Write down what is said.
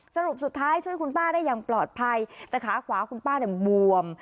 สรุปสุดท้ายช่วยคุณป้าได้อย่างปลอดภัยแต่ขาขวาคุณป้าเนี่ยบวม